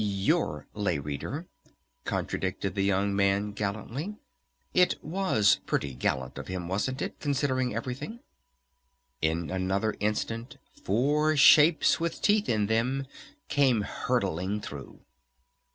"Your Lay Reader!" contradicted the young man gallantly. It was pretty gallant of him, wasn't it? Considering everything? In another instant four shapes with teeth in them came hurtling through!